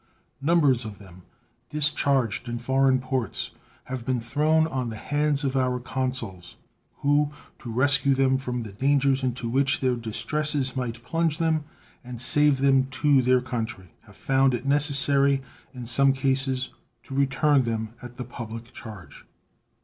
Numbers of them, discharged in foreign ports, have been thrown on the hands of our consuls, who, to rescue them from the dangers into which their distresses might plunge them and save them to their country, have found it necessary in some cases to return them at the public charge.